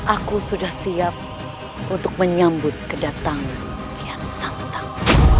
aku sudah siap untuk menyambut kedatangan kian santang